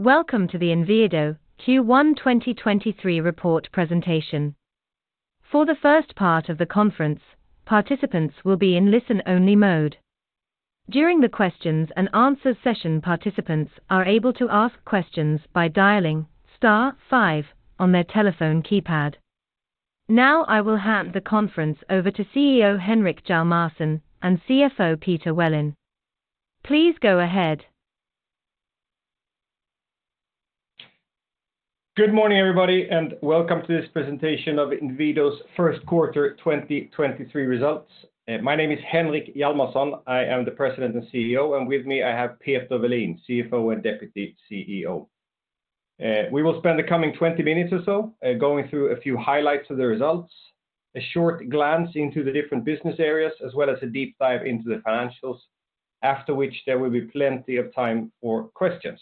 Welcome to the Inwido Q1 2023 report presentation. For the first part of the conference, participants will be in listen-only mode. During the questions and answer session, participants are able to ask questions by dialing star five on their telephone keypad. I will hand the conference over to CEO Henrik Hjalmarsson and CFO Peter Welin. Please go ahead. Good morning, everybody, and welcome to this presentation of Inwido's first quarter 2023 results. My name is Henrik Hjalmarsson. I am the President and CEO, and with me I have Peter Welin, CFO and Deputy CEO. We will spend the coming 20 minutes or so going through a few highlights of the results, a short glance into the different business areas, as well as a deep dive into the financials. After which, there will be plenty of time for questions.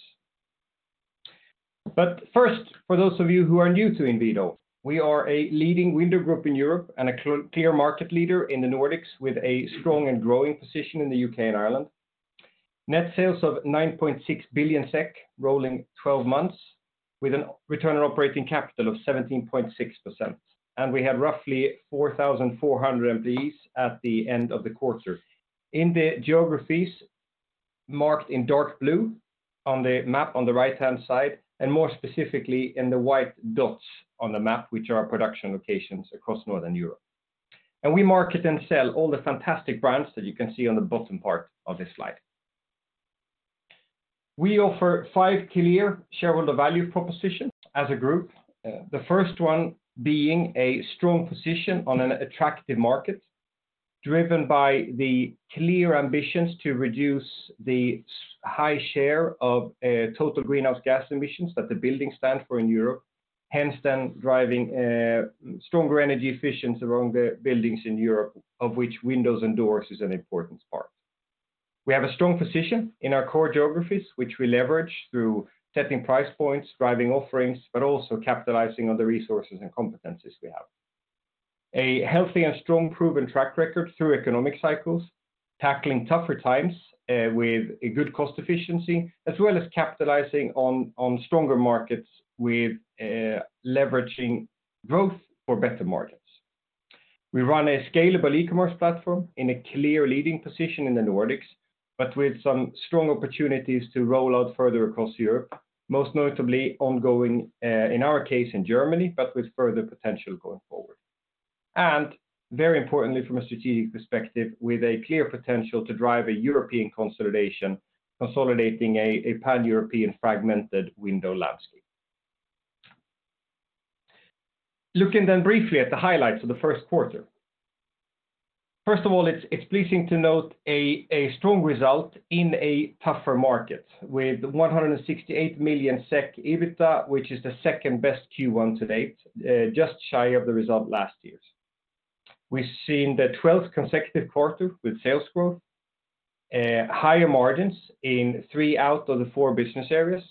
First, for those of you who are new to Inwido, we are a leading window group in Europe and a clear market leader in the Nordics with a strong and growing position in the UK and Ireland. Net sales of 9.6 billion SEK rolling 12 months with an return on operating capital of 17.6%. We have roughly 4,400 employees at the end of the quarter. In the geographies marked in dark blue on the map on the right-hand side. More specifically in the white dots on the map, which are our production locations across Northern Europe. We market and sell all the fantastic brands that you can see on the bottom part of this slide. We offer five clear shareholder value propositions as a group. The first one being a strong position on an attractive market driven by the clear ambitions to reduce the high share of total greenhouse gas emissions that the building stand for in Europe, hence then driving stronger energy efficiency around the buildings in Europe, of which windows and doors is an important part. We have a strong position in our core geographies, which we leverage through setting price points, driving offerings, but also capitalizing on the resources and competencies we have. A healthy and strong proven track record through economic cycles, tackling tougher times with a good cost efficiency, as well as capitalizing on stronger markets with leveraging growth for better margins. We run a scalable e-commerce platform in a clear leading position in the Nordics, but with some strong opportunities to roll out further across Europe, most notably ongoing in our case in Germany, but with further potential going forward. Very importantly from a strategic perspective, with a clear potential to drive a European consolidation, consolidating a pan-European fragmented window landscape. Looking briefly at the highlights of the first quarter. First of all, it's pleasing to note a strong result in a tougher market with 168 million SEK EBITDA, which is the second best Q1 to date, just shy of the result last year's. We've seen the 12th consecutive quarter with sales growth, higher margins in three out of the four business areas,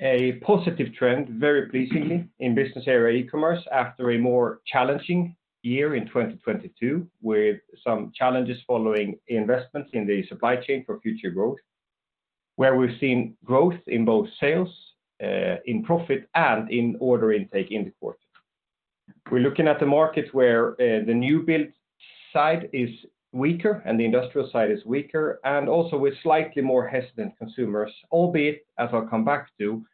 a positive trend, very pleasingly in business area e-commerce after a more challenging year in 2022, with some challenges following investments in the supply chain for future growth, where we've seen growth in both sales, in profit and in order intake in the quarter. We're looking at the markets where the new build side is weaker and the industrial side is weaker, also with slightly more hesitant consumers, albeit, as I'll come back to,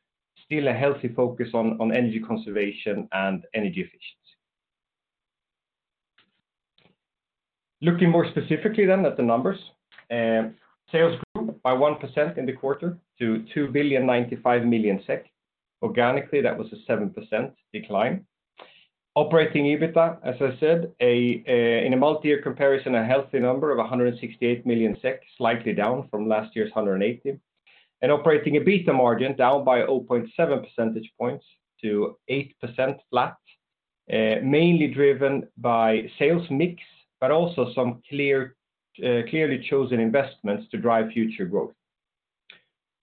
still a healthy focus on energy conservation and energy efficiency. Looking more specifically at the numbers, sales grew by 1% in the quarter to 2.095 billion SEK. Organically, that was a 7% decline. Operating EBITDA, as I said, a, in a multi-year comparison, a healthy number of 168 million SEK, slightly down from last year's 180 million. An Operating EBITDA margin down by 0.7 percentage points to 8% flat, mainly driven by sales mix, but also some clear, clearly chosen investments to drive future growth.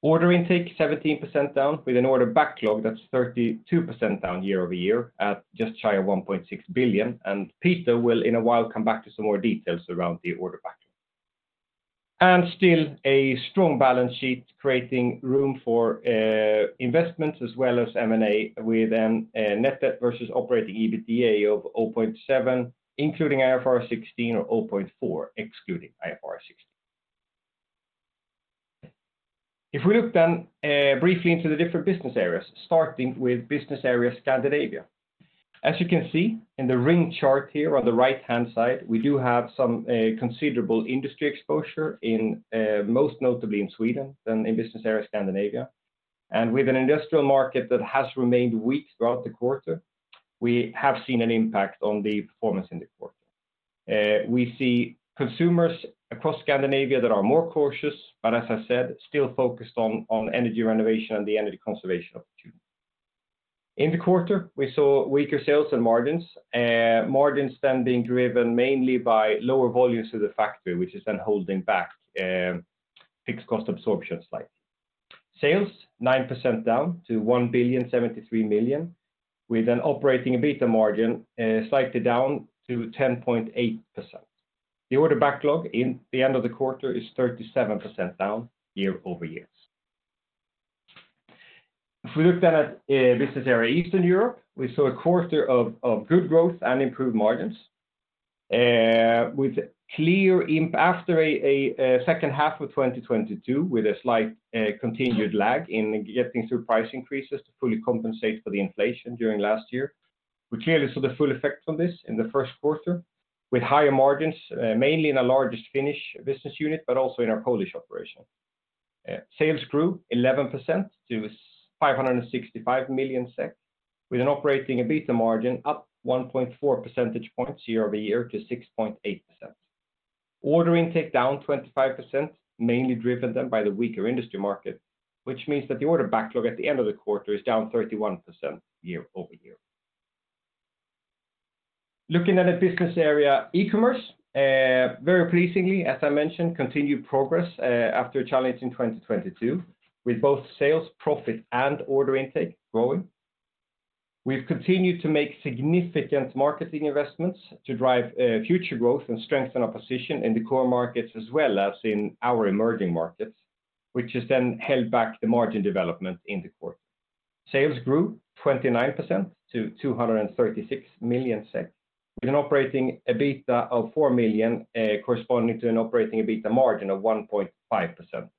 Order intake 17% down with an order backlog that's 32% down year-over-year at just shy of 1.6 billion. Peter will, in a while, come back to some more details around the order backlog. Still a strong balance sheet, creating room for investments as well as M&A with a net debt versus operating EBITDA of 0.7, including IFRS 16 of 0.4, excluding IFRS 16. If we look then, briefly into the different business areas, starting with business area Scandinavia. As you can see in the ring chart here on the right-hand side, we do have some considerable industry exposure in most notably in Sweden than in business area Scandinavia. With an industrial market that has remained weak throughout the quarter, we have seen an impact on the performance in the quarter. We see consumers across Scandinavia that are more cautious, but as I said, still focused on energy renovation and the energy conservation opportunity. In the quarter, we saw weaker sales and margins then being driven mainly by lower volumes to the factory, which is then holding back, fixed cost absorption slightly. Sales 9% down to 1.073 billion, with an operating EBITDA margin slightly down to 10.8%. The order backlog in the end of the quarter is 37% down year-over-years. If we look then at business area Eastern Europe, we saw a quarter of good growth and improved margins after a second half of 2022 with a slight continued lag in getting through price increases to fully compensate for the inflation during last year. We clearly saw the full effect from this in the first quarter with higher margins, mainly in our largest Finnish business unit, but also in our Polish operation. Sales grew 11% to 565 million SEK, with an operating EBITDA margin up 1.4 percentage points year-over-year to 6.8%. Order intake down 25%, mainly driven then by the weaker industry market, which means that the order backlog at the end of the quarter is down 31% year-over-year. Looking at the business area e-commerce, very pleasingly, as I mentioned, continued progress after a challenging 2022, with both sales profit and order intake growing. We've continued to make significant marketing investments to drive future growth and strengthen our position in the core markets as well as in our emerging markets, which has then held back the margin development in the quarter. Sales grew 29% to 236 million with an operating EBITDA of 4 million, corresponding to an operating EBITDA margin of 1.5%,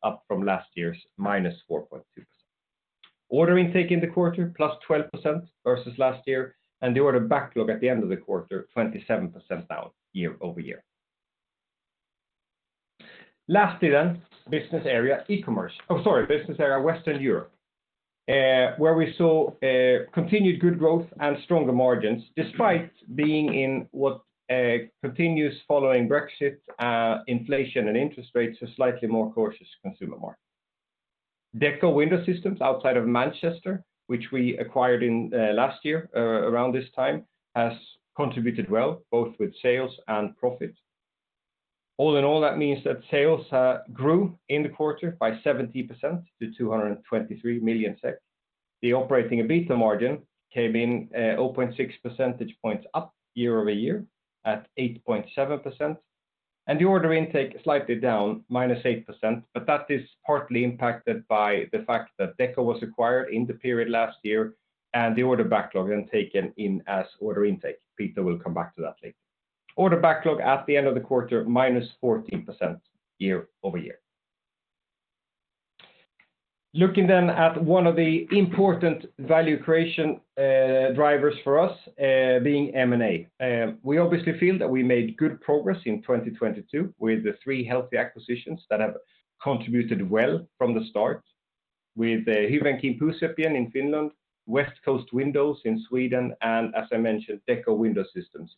up from last year's -4.2%. Order intake in the quarter plus 12% versus last year. The order backlog at the end of the quarter, 27% down year-over-year. Business area e-commerce, Oh, sorry, business area Western Europe, where we saw continued good growth and stronger margins despite being in what a continuous following Brexit, inflation and interest rates, a slightly more cautious consumer market. Dekko Window Systems outside of Manchester, which we acquired in last year, around this time, has contributed well both with sales and profit. All in all, that means that sales grew in the quarter by 70% to 223 million. The operating EBITDA margin came in 0.6 percentage points up year-over-year at 8.7%. The order intake slightly down -8%, but that is partly impacted by the fact that Dekko was acquired in the period last year, and the order backlog then taken in as order intake. Peter will come back to that later. Order backlog at the end of the quarter, -14% year-over-year. Looking at one of the important value creation drivers for us, being M&A. We obviously feel that we made good progress in 2022 with the three healthy acquisitions that have contributed well from the start with Hyvinkään Puuseppien in Finland, Westcoast Windows in Sweden, and as I mentioned, Dekko Window Systems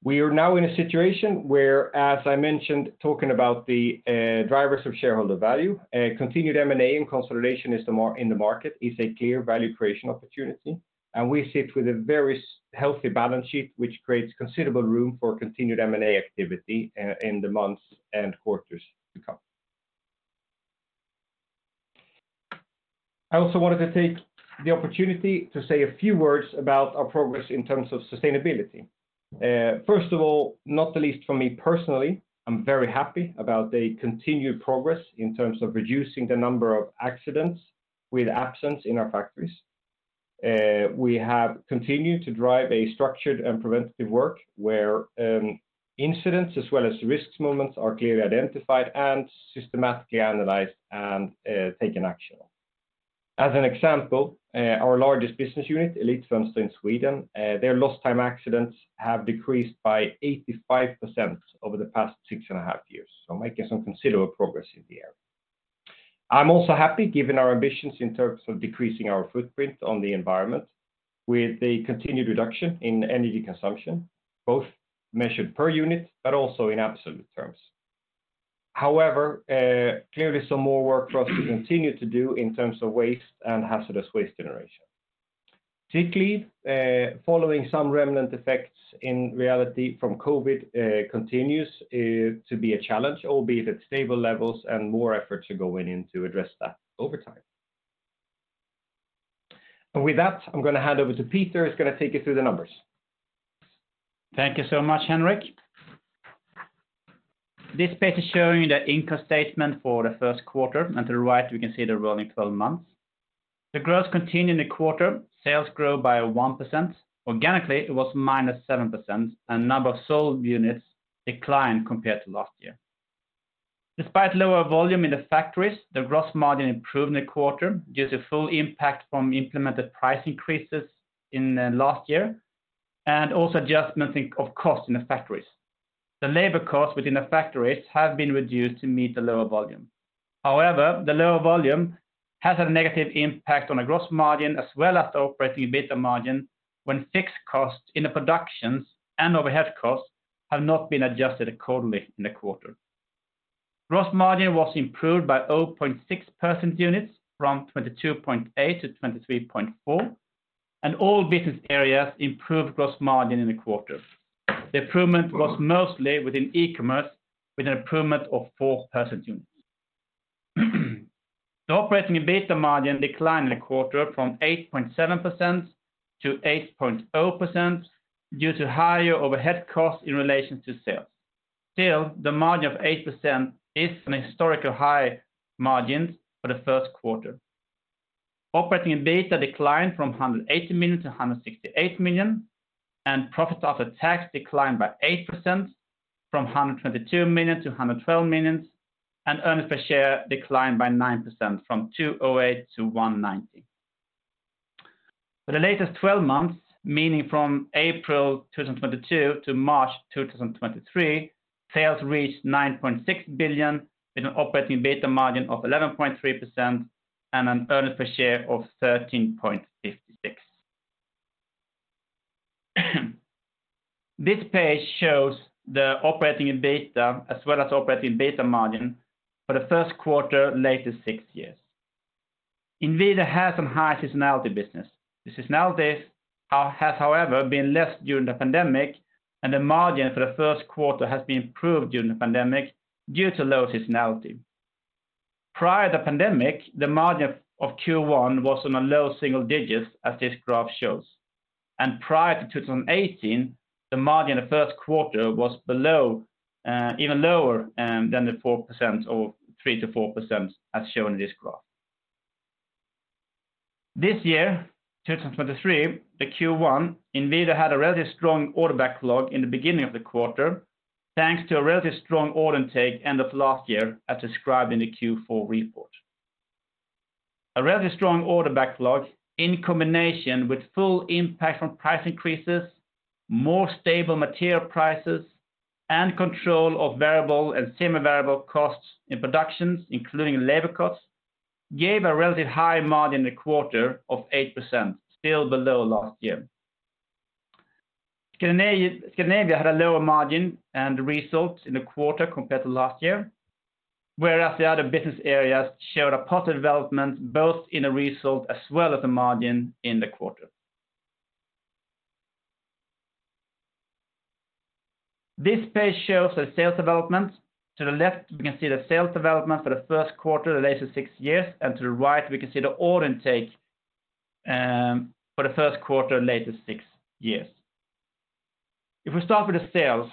in the UK. We are now in a situation where, as I mentioned, talking about the drivers of shareholder value, continued M&A and consolidation in the market is a clear value creation opportunity. We sit with a very healthy balance sheet, which creates considerable room for continued M&A activity in the months and quarters to come. I also wanted to take the opportunity to say a few words about our progress in terms of sustainability. First of all, not the least for me personally, I'm very happy about the continued progress in terms of reducing the number of accidents with absence in our factories. We have continued to drive a structured and preventative work where incidents as well as risk moments are clearly identified and systematically analyzed and taken action on. As an example, our largest business unit, Elitfönster in Sweden, their lost time accidents have decreased by 85% over the past 6.5 years. Making some considerable progress in the area. I'm also happy given our ambitions in terms of decreasing our footprint on the environment with the continued reduction in energy consumption, both measured per unit but also in absolute terms. Clearly some more work for us to continue to do in terms of waste and hazardous waste generation. Particularly, following some remnant effects in reality from COVID, continues to be a challenge, albeit at stable levels and more efforts are going in to address that over time. With that, I'm going to hand over to Peter, who's going to take you through the numbers. Thank you so much, Henrik. This page is showing the income statement for the first quarter, and to the right, we can see the running 12 months. The growth continued in the quarter. Sales grow by 1%. Organically, it was -7%, and number of sold units declined compared to last year. Despite lower volume in the factories, the gross margin improved in the quarter due to full impact from implemented price increases last year and also adjustment of cost in the factories. The labor costs within the factories have been reduced to meet the lower volume. However, the lower volume has a negative impact on the gross margin as well as the operating EBITDA margin when fixed costs in the productions and overhead costs have not been adjusted accordingly in the quarter. Gross margin was improved by 0.6% units from 22.8% to 23.4%, and all business areas improved gross margin in the quarter. The improvement was mostly within e-commerce with an improvement of 4% units. The operating EBITDA margin declined in the quarter from 8.7% to 8.0% due to higher overhead costs in relation to sales. The margin of 8% is an historical high margin for the first quarter. Operating EBITDA declined from 180 million to 168 million, and profits after tax declined by 8% from 122 million to 112 million, and earnings per share declined by 9% from 2.08 to 1.90. For the latest 12 months, meaning from April 2022 to March 2023, sales reached 9.6 billion with an operating EBITDA margin of 11.3% and an earnings per share of 13.56. This page shows the Operating EBITDA as well as operating EBITDA margin for the first quarter latest six years. Inwido has some high seasonality business. The seasonality has, however, been less during the pandemic, and the margin for the first quarter has been improved during the pandemic due to low seasonality. Prior the pandemic, the margin of Q1 was on a low single digits, as this graph shows. Prior to 2018, the margin in the first quarter was below, even lower than the 4% or 3%-4%, as shown in this graph. This year, 2023, the Q1, Inwido had a relatively strong order backlog in the beginning of the quarter, thanks to a relatively strong order intake end of last year, as described in the Q4 report. A relatively strong order backlog in combination with full impact from price increases, more stable material prices, and control of variable and semi-variable costs in productions, including labor costs, gave a relative high margin in the quarter of 8%, still below last year. Scandinavia had a lower margin and results in the quarter compared to last year, whereas the other business areas showed a positive development, both in the result as well as the margin in the quarter. This page shows the sales development. To the left, we can see the sales development for the first quarter the latest six years. To the right, we can see the order intake for the first quarter latest six years. We start with the sales,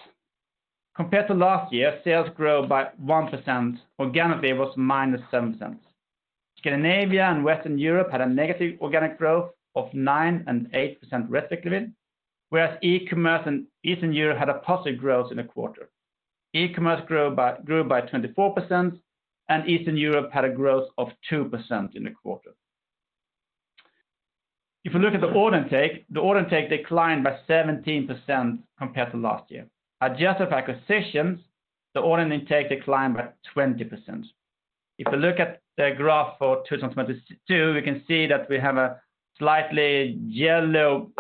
compared to last year, sales grew by 1%. Organically, it was 7%. Scandinavia and Western Europe had a negative organic growth of 9% and 8% respectively, whereas e-commerce in Eastern Europe had a positive growth in the quarter. E-commerce grew by 24%. Eastern Europe had a growth of 2% in the quarter. You look at the order intake, the order intake declined by 17% compared to last year. Adjusted for acquisitions, the order intake declined by 20%. If you look at the graph for 2022, we can see that we have a slightly yellow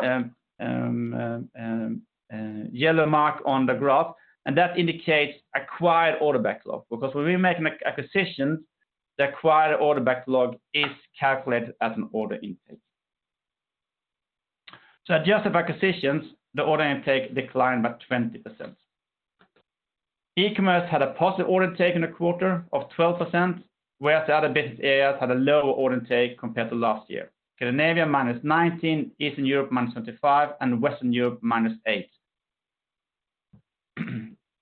mark on the graph, and that indicates acquired order backlog. When we make an acquisition, the acquired order backlog is calculated as an order intake. Adjusted for acquisitions, the order intake declined by 20%. E-commerce had a positive order intake in the quarter of 12%, whereas the other business areas had a lower order intake compared to last year. Scandinavia -19%, Eastern Europe -25%, and Western Europe -8%.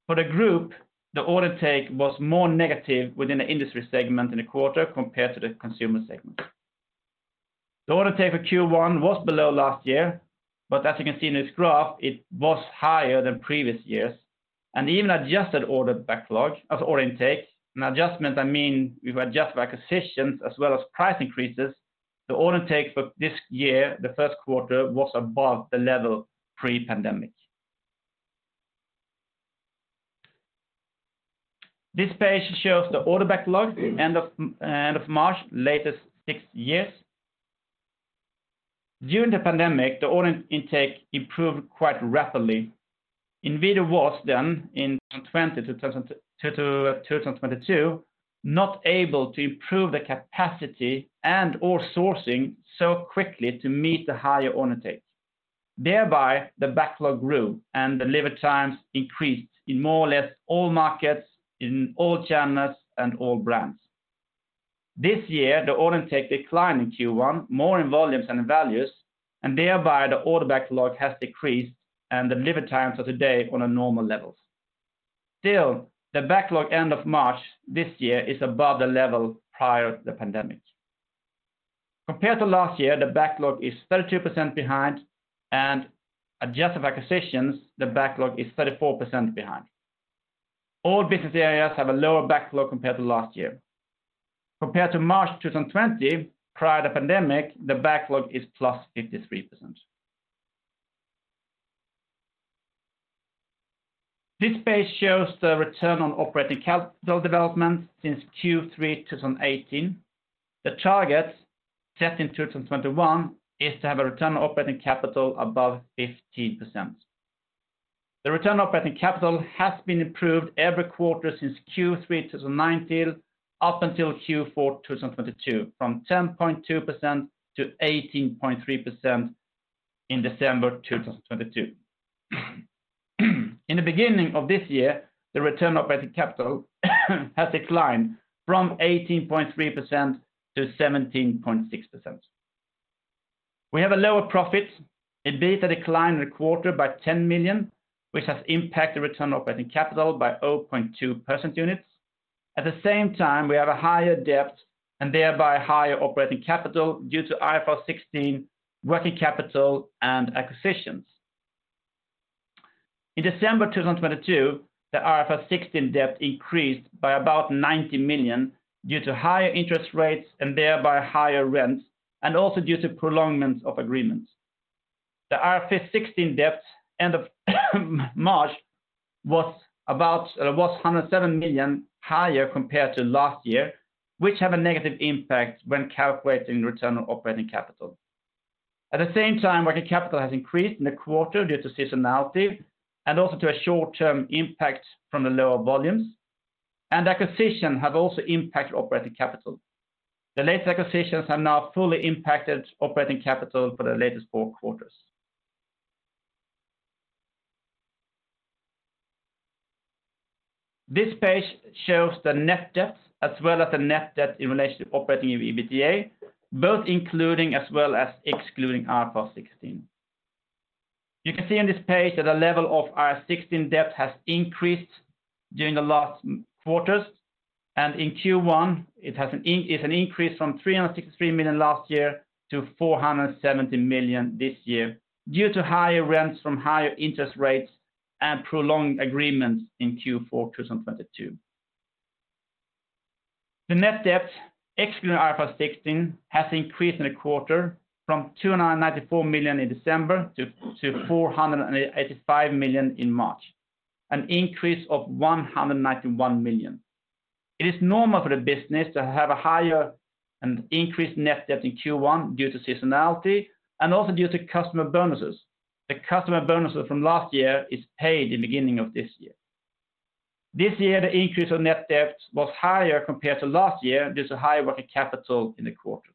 For the group, the order intake was more negative within the industry segment in the quarter compared to the consumer segment. The order intake for Q1 was below last year, but as you can see in this graph, it was higher than previous years. Even adjusted order backlog as order intake, and adjustment I mean, we've adjusted for acquisitions as well as price increases, the order intake for this year, the first quarter, was above the level pre-pandemic. This page shows the order backlog end of March latest six years. During the pandemic, the order intake improved quite rapidly. Inwido was then in 2022, not able to improve the capacity and or sourcing so quickly to meet the higher order intake. Thereby, the backlog grew and the delivery times increased in more or less all markets, in all channels, and all brands. This year, the order intake declined in Q1 more in volumes than in values, and thereby the order backlog has decreased and the delivery times are today on a normal levels. Still, the backlog end of March this year is above the level prior the pandemic. Compared to last year, the backlog is 32% behind, and adjusted for acquisitions, the backlog is 34% behind. All business areas have a lower backlog compared to last year. Compared to March 2020, prior the pandemic, the backlog is +53%. This page shows the return on operating capital development since Q3 2018. The target set in 2021 is to have a return on operating capital above 15%. The return on operating capital has been improved every quarter since Q3 2019 up until Q4 2022, from 10.2% to 18.3% in December 2022. In the beginning of this year, the return operating capital has declined from 18.3% to 17.6%. We have a lower profit. EBITDA declined in the quarter by 10 million, which has impacted return operating capital by 0.2% units. At the same time, we have a higher debt and thereby higher operating capital due to IFRS 16 working capital and acquisitions. In December 2022, the IFRS 16 debt increased by about 90 million due to higher interest rates and thereby higher rents, and also due to prolongment of agreements. The IFRS 16 debt end of March was 107 million higher compared to last year, which have a negative impact when calculating return on operating capital. At the same time, working capital has increased in the quarter due to seasonality and also to a short-term impact from the lower volumes, and acquisition have also impacted operating capital. The latest acquisitions have now fully impacted operating capital for the latest four quarters. This page shows the net debt as well as the net debt in relation to operating EBITDA, both including as well as excluding IFRS 16. You can see on this page that the level of IFRS 16 debt has increased during the last quarters, and in Q1, it's an increase from 363 million last year to 470 million this year due to higher rents from higher interest rates and prolonged agreements in Q4 2022. The net debt excluding IFRS 16 has increased in the quarter from 294 million in December to 485 million in March, an increase of 191 million. It is normal for the business to have a higher and increased net debt in Q1 due to seasonality and also due to customer bonuses. The customer bonuses from last year is paid in the beginning of this year. This year, the increase of net debt was higher compared to last year due to higher working capital in the quarter.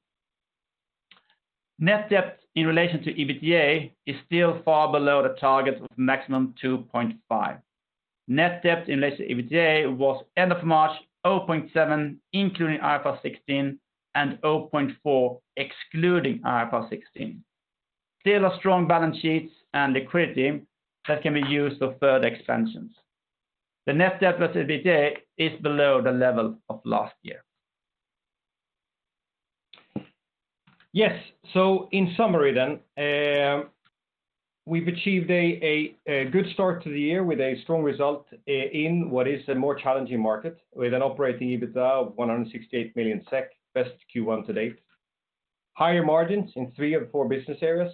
Net debt in relation to EBITDA is still far below the target of maximum 2.5. Net debt in relation to EBITDA was end of March, 0.7, including IFRS 16, and 0.4, excluding IFRS 16. Still a strong balance sheets and liquidity that can be used for further expansions. The net debt plus EBITDA is below the level of last year. In summary then, we've achieved a good start to the year with a strong result in what is a more challenging market with an operating EBITDA of 168 million SEK, best Q1 to date. Higher margins in three of four business areas.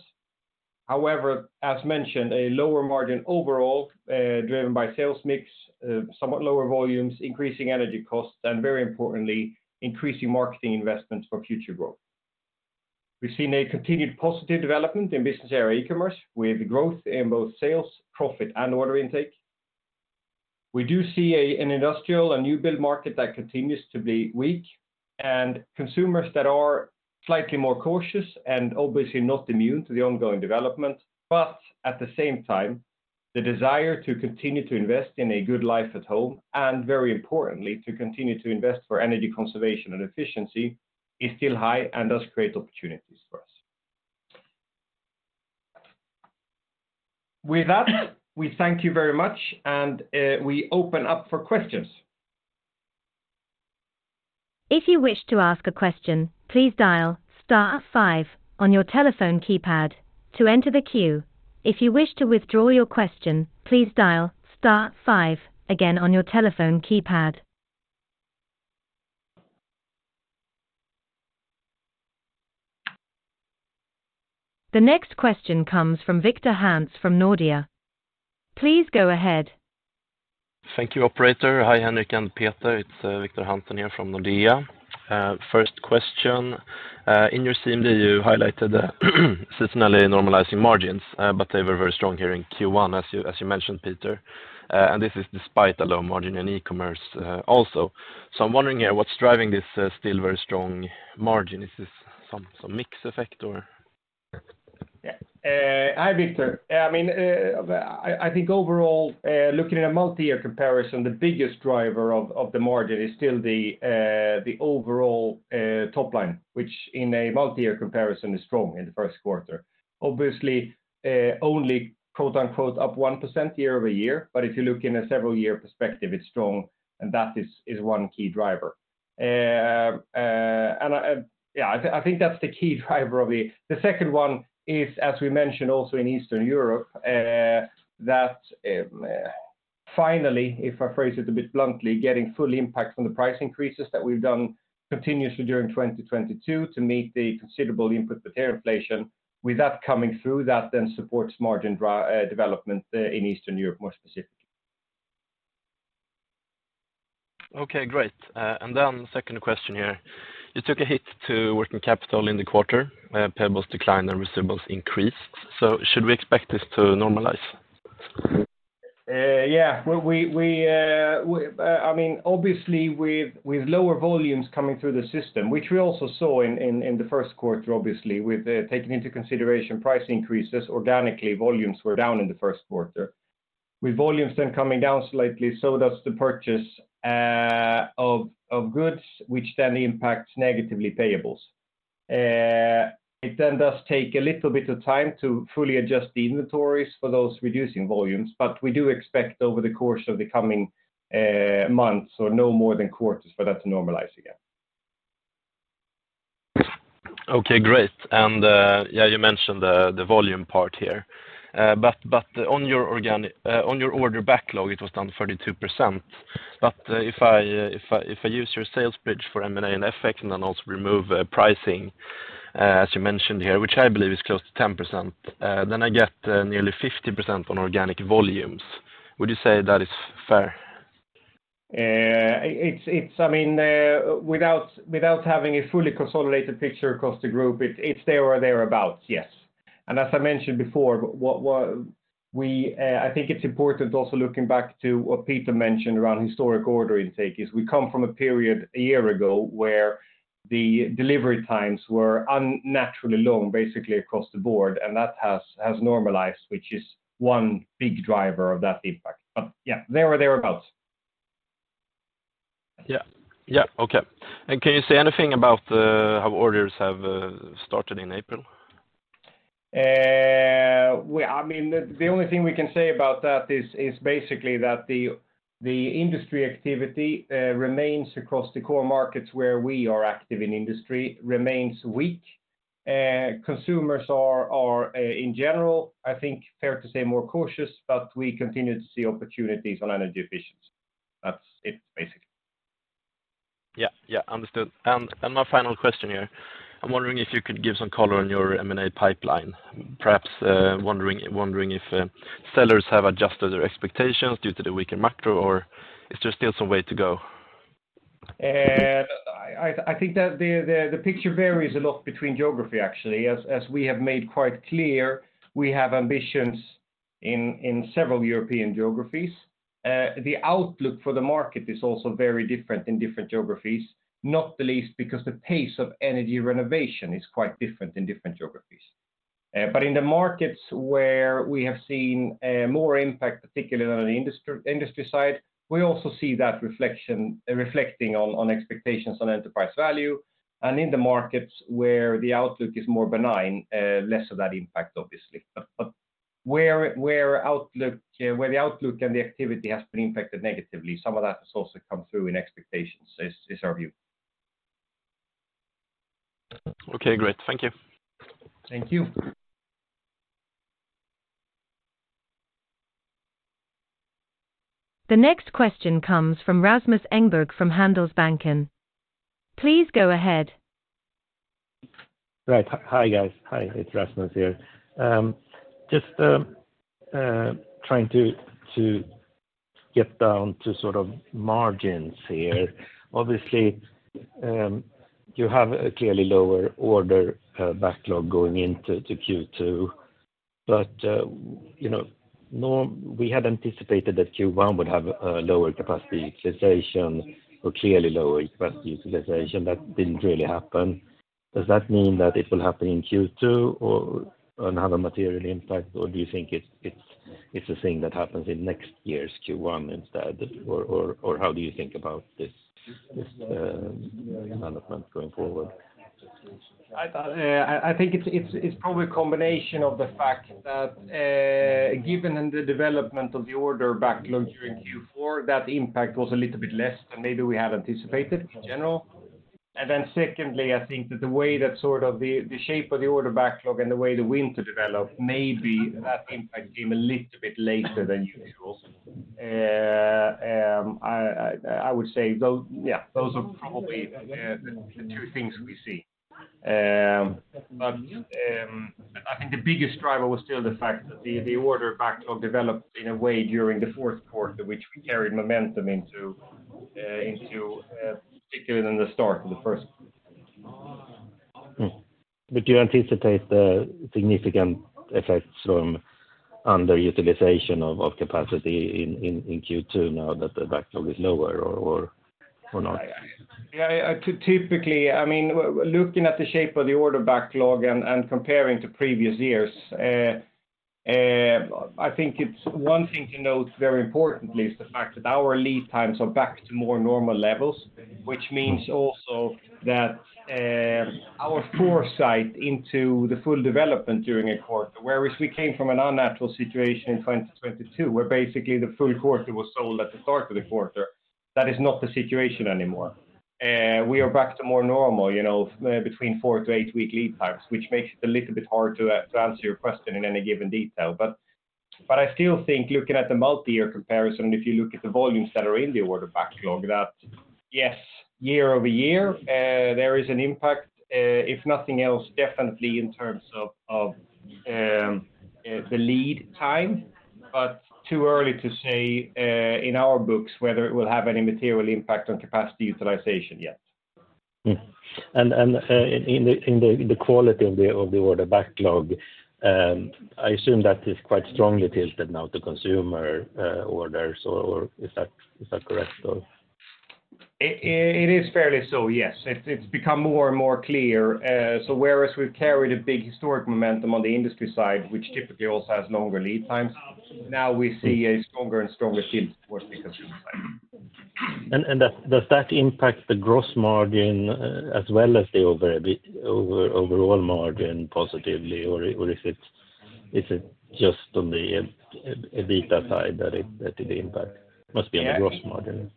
As mentioned, a lower margin overall, driven by sales mix, somewhat lower volumes, increasing energy costs, and very importantly, increasing marketing investments for future growth. We've seen a continued positive development in business area e-commerce with growth in both sales, profit, and order intake. We do see an industrial and new build market that continues to be weak, and consumers that are slightly more cautious and obviously not immune to the ongoing development. At the same time, the desire to continue to invest in a good life at home, and very importantly, to continue to invest for energy conservation and efficiency is still high and does create opportunities for us. With that, we thank you very much, and we open up for questions. If you wish to ask a question, please dial star five on your telephone keypad to enter the queue. If you wish to withdraw your question, please dial star five again on your telephone keypad. The next question comes from Viktor Hässelgren from Nordea. Please go ahead. Thank you, operator. Hi, Henrik and Peter. It's Victor Hässelgren here from Nordea. First question. In your CMD, you highlighted the seasonally normalizing margins, but they were very strong here in Q1, as you mentioned, Peter. And this is despite the low margin in e-commerce also. I'm wondering here, what's driving this still very strong margin? Is this some mix effect or? Yeah. Hi, Victor. I mean, I think overall, looking at a multi-year comparison, the biggest driver of the margin is still the overall top line, which in a multi-year comparison is strong in the first quarter. Obviously, only quote-unquote up 1% year-over-year. If you look in a several-year perspective, it's strong. That is one key driver. Yeah, I think that's the key driver of it. The second one is, as we mentioned also in Eastern Europe, that finally, if I phrase it a bit bluntly, getting full impact from the price increases that we've done continuously during 2022 to meet the considerable input with air inflation. With that coming through, that then supports margin development in Eastern Europe, more specifically. Okay, great. Second question here. You took a hit to working capital in the quarter, payables declined and receivables increased. Should we expect this to normalize? Yeah. We, I mean, obviously, with lower volumes coming through the system, which we also saw in the first quarter, obviously, with taking into consideration price increases, organically, volumes were down in the first quarter. Volumes then coming down slightly, so does the purchase of goods, which then impacts negatively payables. It then does take a little bit of time to fully adjust the inventories for those reducing volumes, We do expect over the course of the coming months or no more than quarters for that to normalize again. Okay, great. Yeah, you mentioned the volume part here. On your order backlog, it was down 32%. If I use your sales pitch for M&A and FX and then also remove pricing, as you mentioned here, which I believe is close to 10%, then I get nearly 50% on organic volumes. Would you say that is fair? I mean, without having a fully consolidated picture across the group, it's there or thereabout, yes. As I mentioned before, I think it's important also looking back to what Peter mentioned around historic order intake is we come from a period a year ago where the delivery times were unnaturally long, basically across the board, and that has normalized, which is one big driver of that impact. Yeah, there or thereabout. Yeah. Yeah. Okay. Can you say anything about how orders have started in April? I mean, the only thing we can say about that is basically that the industry activity remains across the core markets where we are active in industry remains weak. Consumers are in general, I think fair to say, more cautious, but we continue to see opportunities on energy efficiency. That's it, basically. Yeah. Yeah. Understood. My final question here, I'm wondering if you could give some color on your M&A pipeline. Perhaps, wondering if sellers have adjusted their expectations due to the weaker macro, or is there still some way to go? I think that the picture varies a lot between geography, actually. As we have made quite clear, we have ambitions in several European geographies. The outlook for the market is also very different in different geographies, not the least because the pace of energy renovation is quite different in different geographies. In the markets where we have seen more impact, particularly on the industry side, we also see that reflecting on expectations on enterprise value, and in the markets where the outlook is more benign, less of that impact, obviously. Where outlook, where the outlook and the activity has been impacted negatively, some of that has also come through in expectations, is our view. Okay, great. Thank you. Thank you. The next question comes from Rasmus Engberg from Handelsbanken. Please go ahead. Right. Hi, guys. Hi, it's Rasmus here. Just trying to get down to sort of margins here. Obviously, you have a clearly lower order backlog going into Q2, but, you know, we had anticipated that Q1 would have a lower capacity utilization or clearly lower capacity utilization. That didn't really happen. Does that mean that it will happen in Q2 and have a material impact, or do you think it's a thing that happens in next year's Q1 instead, or how do you think about this management going forward? I think it's probably a combination of the fact that given the development of the order backlog during Q4, that impact was a little bit less than maybe we had anticipated in general. Secondly, I think that the way that sort of the shape of the order backlog and the way the winter developed, maybe that impact came a little bit later than usual. I would say yeah, those are probably the two things we see. I think the biggest driver was still the fact that the order backlog developed in a way during the fourth quarter, which we carried momentum into particularly in the start of the first. Do you anticipate significant effects from underutilization of capacity in Q2 now that the backlog is lower or not? Typically, I mean, looking at the shape of the order backlog and comparing to previous years, I think it's one thing to note very importantly is the fact that our lead times are back to more normal levels, which means also that our foresight into the full development during a quarter, whereas we came from an unnatural situation in 2022, where basically the full quarter was sold at the start of the quarter. That is not the situation anymore. We are back to more normal, you know, between four to eight-week lead times, which makes it a little bit hard to answer your question in any given detail. I still think looking at the multi-year comparison, if you look at the volumes that are in the order backlog, that yes, year-over-year, there is an impact, if nothing else, definitely in terms of the lead time, but too early to say, in our books whether it will have any material impact on capacity utilization yet. In the quality of the order backlog, I assume that is quite strongly tilted now to consumer orders, or is that correct or? It is fairly so, yes. It's become more and more clear. Whereas we've carried a big historic momentum on the industry side, which typically also has longer lead times, now we see a stronger and stronger shift towards the consumer side. Does that impact the gross margin as well as the overall margin positively or is it just on the EBITDA side that it impact? Must be on the gross margin.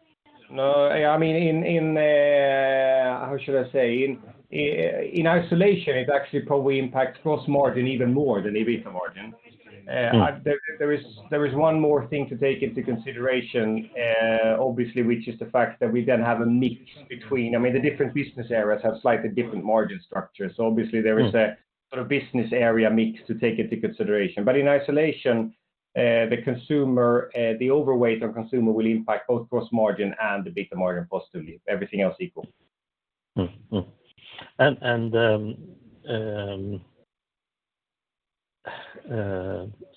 No. I mean, in, how should I say? In isolation, it actually probably impacts gross margin even more than EBITDA margin. Mm. There is one more thing to take into consideration, obviously, which is the fact that we then have a mix between, i mean, the different business areas have slightly different margin structures. Obviously-. Mm there is a sort of business area mix to take into consideration. In isolation, the consumer, the overweight on consumer will impact both gross margin and EBITDA margin positively, everything else equal. Mm-hmm.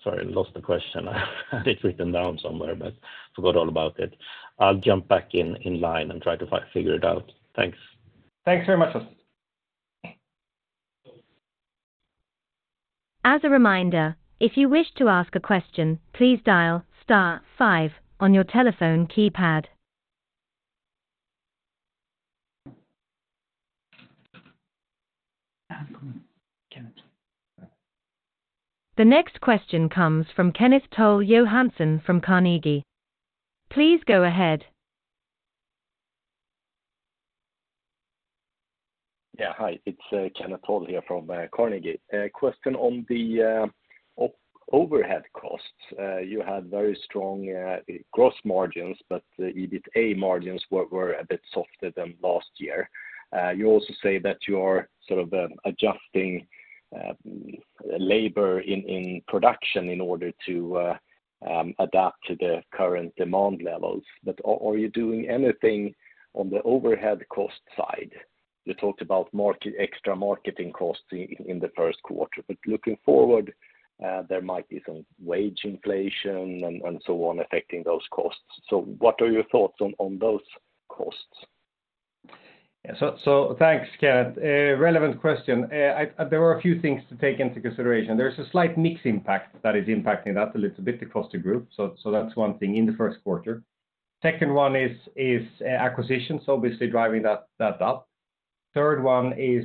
Sorry, I lost the question. I had it written down somewhere, but forgot all about it. I'll jump back in line and try to figure it out. Thanks. Thanks very much, Rasmus. As a reminder, if you wish to ask a question, please dial star five on your telephone keypad. The next question comes from Kenneth Tøitt Johansen from Carnegie. Please go ahead. It's Kenneth Tøitt Johansen here from Carnegie. A question on the overhead costs. You had very strong gross margins, but the EBITDA margins were a bit softer than last year. You also say that you are sort of adjusting labor in production in order to adapt to the current demand levels. Are you doing anything on the overhead cost side? You talked about extra marketing costs in the first quarter, but looking forward, there might be some wage inflation and so on affecting those costs. What are your thoughts on those costs? Thanks, Kenneth. A relevant question. There were a few things to take into consideration. There's a slight mix impact that is impacting that a little bit across the group, that's one thing in the first quarter. Second one is acquisitions, obviously driving that up. Third one is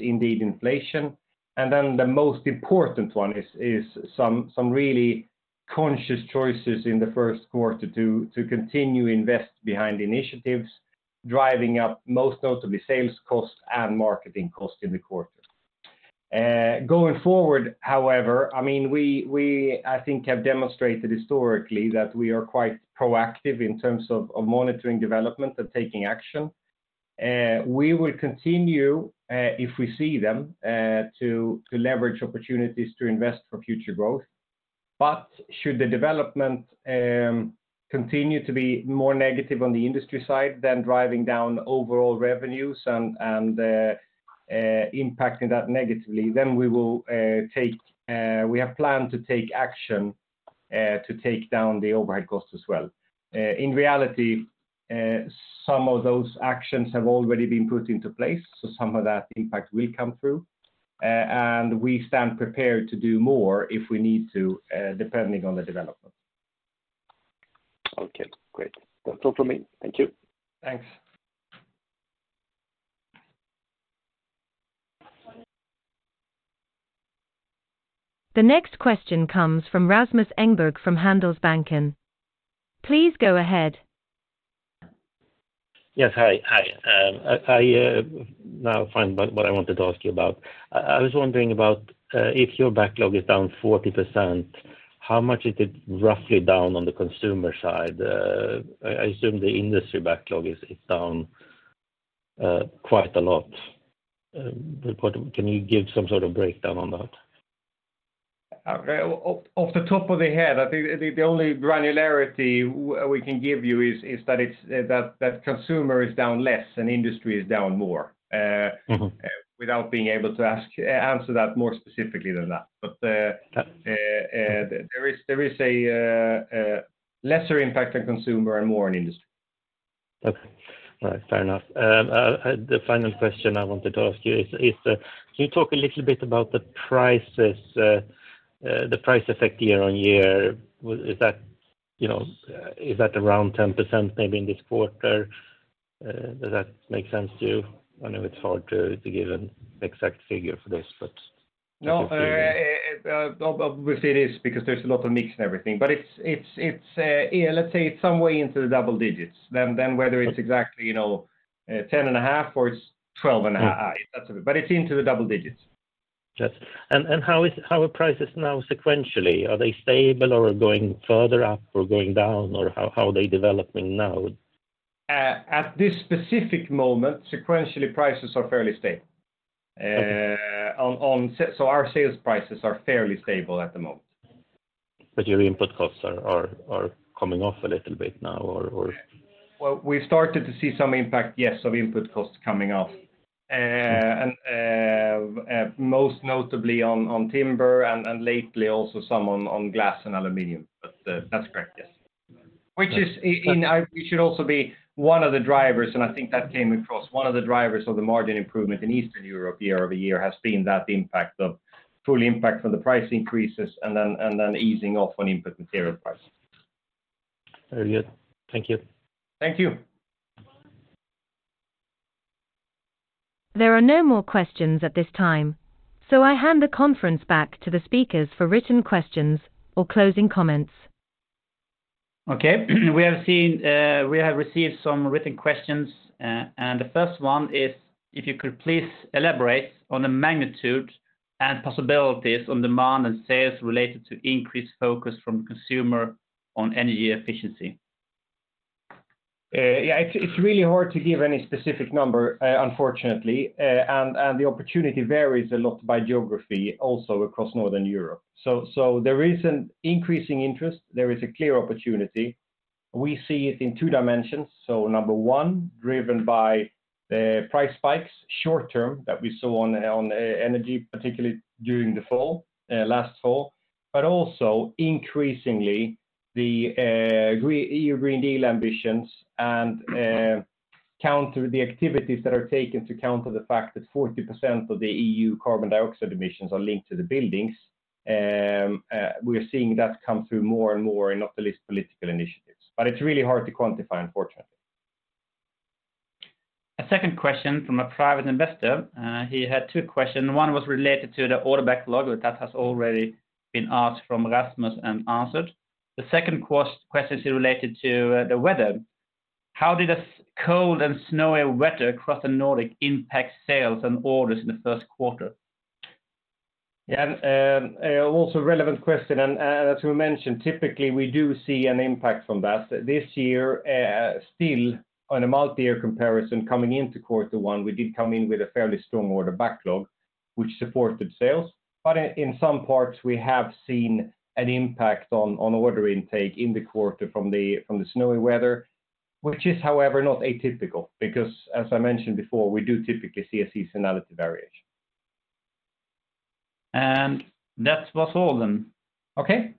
indeed inflation. Then the most important one is some really conscious choices in the first quarter to continue invest behind initiatives, driving up most notably sales costs and marketing costs in the quarter. Going forward, however, I mean, we I think have demonstrated historically that we are quite proactive in terms of monitoring development and taking action. We will continue, if we see them, to leverage opportunities to invest for future growth. Should the development continue to be more negative on the industry side than driving down overall revenues and impacting that negatively, then we will take action to take down the overhead costs as well. In reality, some of those actions have already been put into place, so some of that impact will come through. We stand prepared to do more if we need to, depending on the development. Okay, great. That's all for me. Thank you. Thanks. The next question comes from Rasmus Engberg from Handelsbanken. Please go ahead. Yes. Hi. Hi. I now find what I wanted to ask you about. I was wondering about if your backlog is down 40%, how much is it roughly down on the consumer side? I assume the industry backlog is down quite a lot. Can you give some sort of breakdown on that? Okay. Off the top of the head, I think the only granularity we can give you is that it's that consumer is down less and industry is down more. Mm-hmm. without being able to answer that more specifically than that. Okay There is a lesser impact on consumer and more on industry. Okay. All right. Fair enough. The final question I wanted to ask you is, can you talk a little bit about the prices, the price effect year-on-year? Is that, you know, is that around 10% maybe in this quarter? Does that make sense to you? I know it's hard to give an exact figure for this, but if you No. Obviously it is because there's a lot of mix and everything, but it's, yeah, let's say it's some way into the double digits. Whether it's exactly, you know, 10.5 or it's 12.5. Mm-hmm That's, but it's into the double digits. Yes. How are prices now sequentially? Are they stable or going further up or going down, or how are they developing now? At this specific moment, sequentially, prices are fairly stable. Okay. Our sales prices are fairly stable at the moment. Your input costs are coming off a little bit now or? Well, we started to see some impact, yes, of input costs coming off. Most notably on timber and lately also some on glass and aluminum. That's correct, yes. It should also be one of the drivers, and I think that came across one of the drivers of the margin improvement in Eastern Europe year-over-year has been that fully impact from the price increases and then easing off on input material prices. Very good. Thank you. Thank you. There are no more questions at this time. I hand the conference back to the speakers for written questions or closing comments. We have seen, we have received some written questions. The first one is if you could please elaborate on the magnitude and possibilities on demand and sales related to increased focus from consumer on energy efficiency? It's really hard to give any specific number, unfortunately. The opportunity varies a lot by geography also across Northern Europe. There is an increasing interest. There is a clear opportunity. We see it in two dimensions. Number one, driven by the price spikes short term that we saw on energy, particularly during the fall, last fall, but also increasingly the European Green Deal ambitions and counter the activities that are taken to counter the fact that 40% of the EU carbon dioxide emissions are linked to the buildings. We are seeing that come through more and more in not the least political initiatives. It's really hard to quantify, unfortunately. A second question from a private investor. He had two questions. One was related to the order backlog that has already been asked from Rasmus and answered. The second question is related to the weather. How did a cold and snowy weather across the Nordic impact sales and orders in the first quarter? Yeah. Also relevant question. As we mentioned, typically, we do see an impact from that. This year, still on a multi-year comparison coming into quarter one, we did come in with a fairly strong order backlog which supported sales. In some parts, we have seen an impact on order intake in the quarter from the snowy weather, which is, however, not atypical because as I mentioned before, we do typically see a seasonality variation. That was all of them. Okay.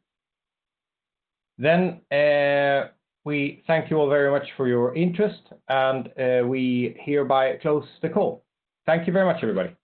We thank you all very much for your interest, and, we hereby close the call. Thank you very much, everybody.